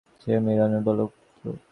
সে মিরানের পালক পুত্র।